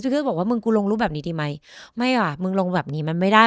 เพื่อนบอกว่ามึงกูลงรูปแบบนี้ดีไหมไม่อ่ะมึงลงแบบนี้มันไม่ได้